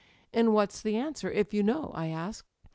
"*And what's the answer, if you know?' I asked.